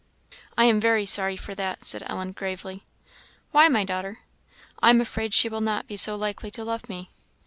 "I am very sorry for that," said Ellen, gravely. "Why, my daughter?" "I am afraid she will not be so likely to love me."